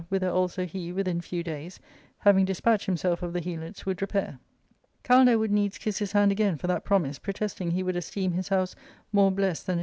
whither also he, within few days^ having despatched himself of the Helots^ would jrepair. Kalander would needs kiss his hand again for that promise, protesting he would esteem his house more blessed than a